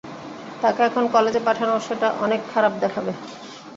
তাকে এখন কলেজে পাঠালে সেটা অনেক খারাপ দেখাবে।